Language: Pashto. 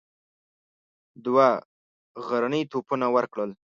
دوه غرني توپونه ورکړل.